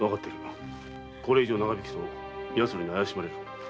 これ以上長引くとヤツらに怪しまれる。